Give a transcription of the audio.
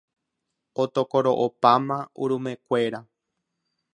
Otokoro'opáma urumekuéra.